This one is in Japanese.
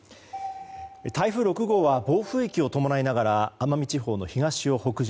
台風６号は暴風域を伴いながら奄美地方の東を北上